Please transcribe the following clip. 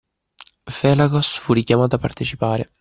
Felagos fu richiamato a partecipare